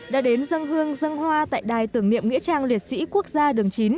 đã đến dân hương dân hoa tại đài tưởng niệm nghĩa trang liệt sĩ quốc gia đường chín